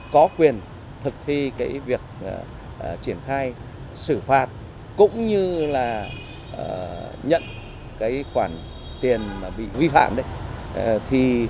có quyền thực thi việc triển khai xử phạt cũng như là nhận cái khoản tiền bị vi phạm đấy